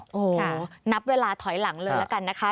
โอ้โหนับเวลาถอยหลังเลยละกันนะคะ